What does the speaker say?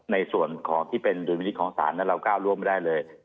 ในส่วนของที่เป็นธุรกิจของศาลเราก้าวร่วงไม่ได้เลย